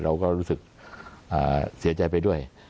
เราก็รู้สึกเสียใจไปด้วย